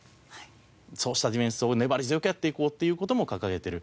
そうしたディフェンスを粘り強くやっていこうっていう事も掲げてる。